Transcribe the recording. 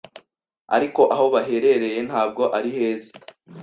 Ariko, aho baherereye ntabwo ari heza.